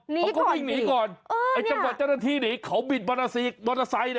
หนีก่อนสินี่จัดหน้าที่หนีเขาบิดมอเตอร์ไซต์